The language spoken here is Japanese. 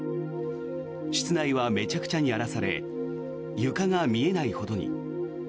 室内はめちゃくちゃに荒らされ床が見えないほどに。